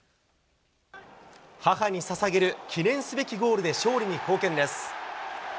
母にささげる、記念すべきゴールで勝利に貢献です。